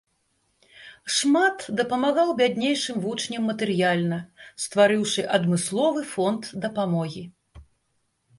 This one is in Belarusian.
Шмат дапамагаў бяднейшым вучням матэрыяльна, стварыўшы адмысловы фонд дапамогі.